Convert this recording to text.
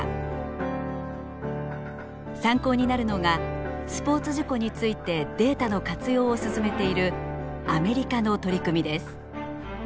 参考になるのがスポーツ事故についてデータの活用を進めているアメリカの取り組みです。